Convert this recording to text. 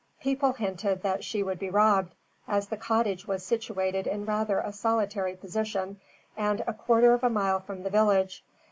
People hinted that she would be robbed, as the cottage was situated in rather a solitary position, and a quarter of a mile from the village.